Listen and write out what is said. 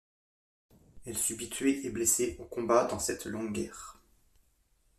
Elle subit tués et blessés au combat dans cette longue guerre.